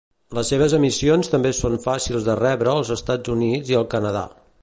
Les seves emissions també són fàcils de rebre als Estats Units i al Canadà.